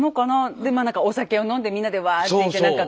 でなんかお酒を飲んでみんなでわっていってなんかって。